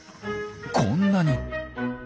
こんなに！